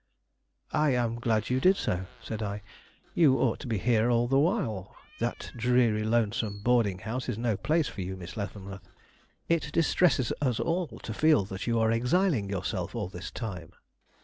"I am glad you did so," said I. "You ought to be here all the while. That dreary, lonesome boarding house is no place for you, Miss Leavenworth. It distresses us all to feel that you are exiling yourself at this time."